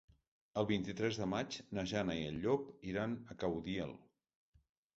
El vint-i-tres de maig na Jana i en Llop iran a Caudiel.